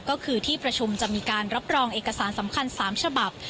ก็คือที่ประชุมจะมีการรับรองเอกสารสำคัญ๓ฉบับ